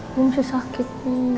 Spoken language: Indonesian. oma masih sakit